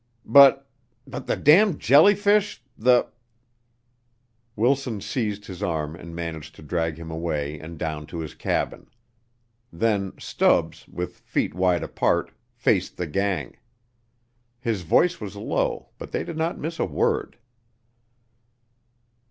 "But but the damned jellyfish the " Wilson seized his arm and managed to drag him away and down to his cabin. Then Stubbs, with feet wide apart, faced the gang. His voice was low, but they did not miss a word.